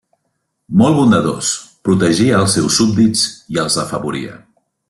Molt bondadós, protegia els seus súbdits i els afavoria.